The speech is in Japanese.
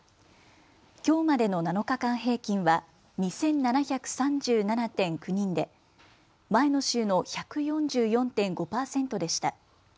きょうまでの７日間平均は２７３７．９人で前の週の１４４．５％でした。